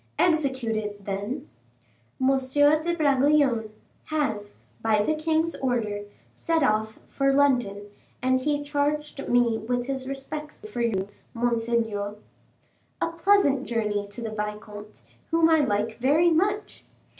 "Execute it, then." "M. de Bragelonne has, by the king's order, set off for London, and he charged me with his respects for you; monseigneur." "A pleasant journey to the vicomte, whom I like very much.